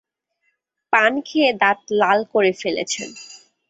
পান খেয়ে দাঁত লাল করে ফেলেছেন।